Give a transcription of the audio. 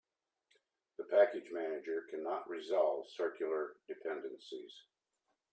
The package manager cannot resolve circular dependencies.